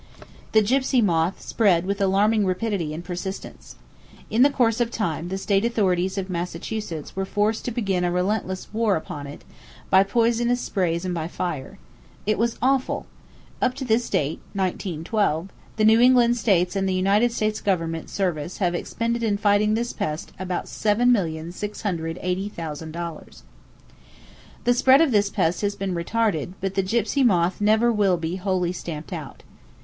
The gypsy moth spread with alarming rapidity and persistence. In course of time the state authorities of Massachuestts were forced to begin a relentless war upon it, by poisonous sprays and by fire. It was awful! Up to this date (1912) the New England states and the United States Government service have expended in fighting this pest about $7,680,000! [Page 331] The spread of this pest has been retarded, but the gypsy moth never will be wholly stamped out.